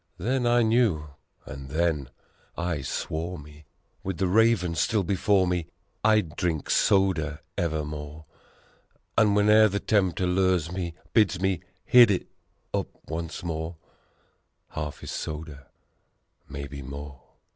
Then I knew, and then I swore me, With the Raven still before me, I'd drink soda evermore ! And whene'er the Tempter lures me, bids me hit it up once more, Half is soda maybe more.